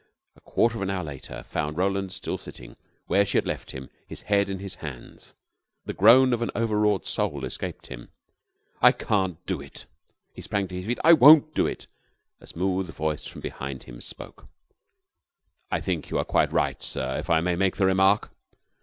A quarter of an hour later found Roland still sitting, where she had left him, his head in his hands. The groan of an overwrought soul escaped him. "I can't do it!" He sprang to his feet. "I won't do it." A smooth voice from behind him spoke. "I think you are quite right, sir if I may make the remark."